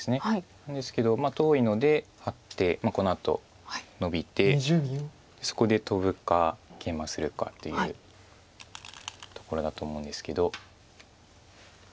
ですけど遠いのでハッてこのあとノビてそこでトブかケイマするかというところだと思うんですけど。